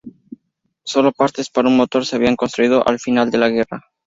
Sólo partes para un motor se habían construido al final de la guerra.